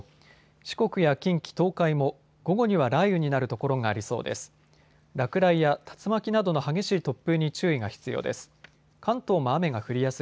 四国や近畿、東海も午後には雷雨になるところがありそうです。